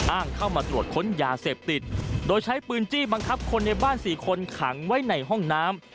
อ้างเข้ามาตรวจค้นยาเสพติดโดยใช้ปืนจี้บังคับคนในบ้าน๔คนขังไว้ในห้องน้ำ